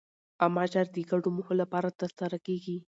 عامه چارې د ګډو موخو لپاره ترسره کېږي.